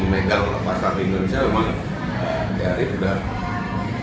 kalau tadi di bilang di megang pasang di indonesia memang ya ini sudah